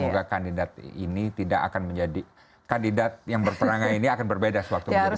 semoga kandidat ini tidak akan menjadi kandidat yang berperangan ini akan berbeda sewaktu menjadi